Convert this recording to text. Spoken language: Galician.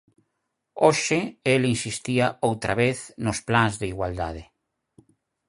Hoxe el insistía, outra vez, nos plans de igualdade.